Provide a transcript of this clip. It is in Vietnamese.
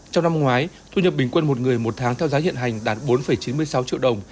trong năm ngoái thu nhập bình quân một người một tháng theo giá hiện hành đạt bốn chín mươi sáu triệu đồng